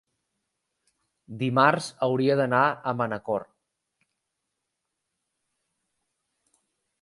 Dimarts hauria d'anar a Manacor.